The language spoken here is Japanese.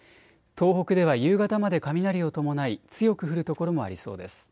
東北では夕方まで雷を伴い強く降る所もありそうです。